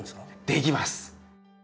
できます！